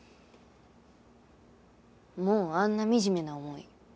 もうあんな惨めな思い